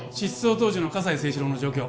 当時の葛西征四郎の状況